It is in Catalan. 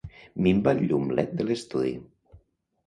Minva el llum led de l'estudi.